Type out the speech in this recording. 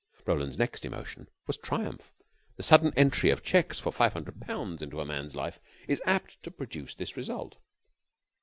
Roland's next emotion was triumph. The sudden entry of checks for five hundred pounds into a man's life is apt to produce this result.